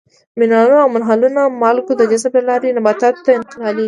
منرالونه او منحلو مالګو د جذب له لارې نباتاتو ته انتقالیږي.